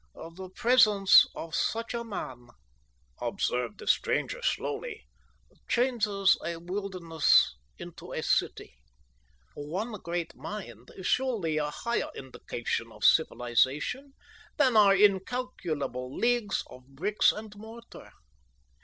"The presence of such a man," observed the stranger slowly, "changes a wilderness into a city. One great mind is surely a higher indication of civilisation than are incalculable leagues of bricks and mortar.